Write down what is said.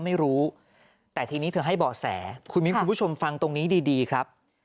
ไม่รู้แต่ทีนี้เธอให้บ่อแสคุณมิ้นคุณผู้ชมฟังตรงนี้ดีครับ